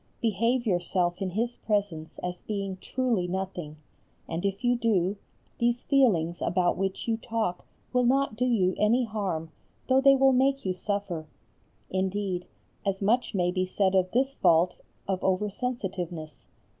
Behave yourself in His presence as being truly nothing, and if you do, these feelings about which you talk will not do you any harm though they will make you suffer. Indeed, as much may be said of this fault of over sensitiveness.